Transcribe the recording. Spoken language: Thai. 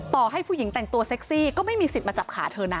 ต่อให้ผู้หญิงแต่งตัวเซ็กซี่ก็ไม่มีสิทธิ์มาจับขาเธอนะ